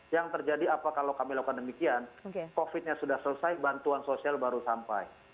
yang terjadi apa kalau kami lakukan demikian covid nya sudah selesai bantuan sosial baru sampai